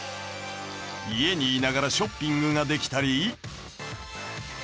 家にいながらショッピングができたり。